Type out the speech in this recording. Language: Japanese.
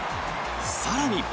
更に。